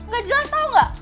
gak jelas tau gak